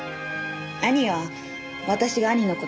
兄は私が兄の事